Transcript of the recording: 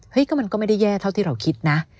ก็มันก็ไม่ได้แย่เท่าที่เราคิดนะ